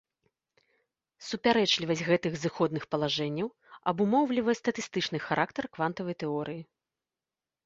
Супярэчлівасць гэтых зыходных палажэнняў абумоўлівае статыстычны характар квантавай тэорыі.